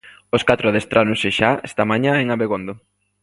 Os catro adestráronse xa esta mañá en Abegondo.